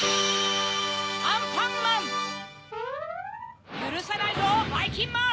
アンパンマン‼ゆるさないぞばいきんまん！